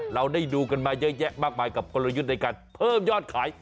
เราได้ดูกันมาเยอะแยะมากมายกับกลยุทธ์ในการเพิ่มยอดขาย